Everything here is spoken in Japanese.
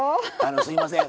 すいません